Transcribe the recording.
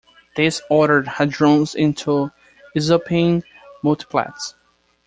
This ordered hadrons into isospin multiplets.